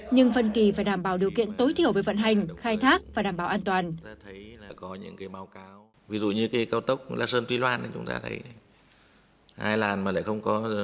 nhưng phân kỳ phải đảm bảo điều kiện tối thiểu về vận hành khai thác và đảm bảo an toàn